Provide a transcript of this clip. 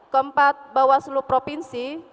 keempat bawah seluruh provinsi